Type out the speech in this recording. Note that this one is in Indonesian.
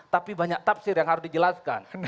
tapi banyak tafsir yang harus dijelaskan